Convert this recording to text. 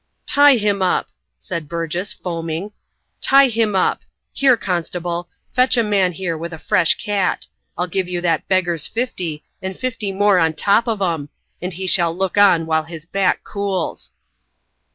"Tie him up!" cried Burgess, foaming. "Tie him up. Here, constable, fetch a man here with a fresh cat. I'll give you that beggar's fifty, and fifty more on the top of 'em; and he shall look on while his back cools."